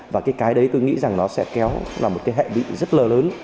và cái đấy tôi nghĩ rằng nó sẽ kéo vào một hệ bị rất lớn lớn